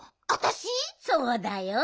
そうだよ。